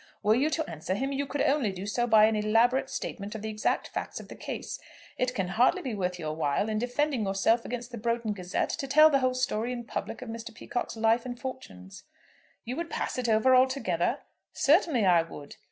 Were you to answer him, you could only do so by an elaborate statement of the exact facts of the case. It can hardly be worth your while, in defending yourself against the 'Broughton Gazette,' to tell the whole story in public of Mr. Peacocke's life and fortunes." "You would pass it over altogether?" "Certainly I would."